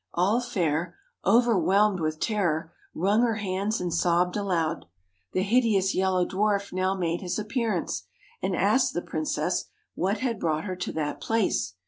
All fair, overwhelmed with terror, wrung her hands and sobbed aloud. The hideous Yellow Dwarf now made his appearance, and asked the princess what had brought her to that place.